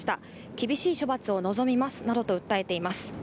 厳しい処罰を望みますなどと訴えています。